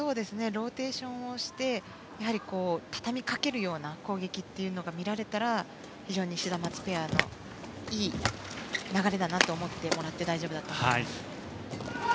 ローテーションをして畳みかけるような攻撃が見られたら非常にシダマツペアのいい流れだと思ってもらって大丈夫だと思います。